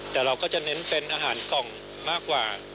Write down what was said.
แต่เราก็จะเน้นเฟรนด์อาหารกล่องมากกว่า